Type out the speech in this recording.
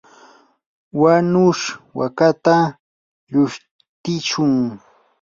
wanush wakata lushtishun.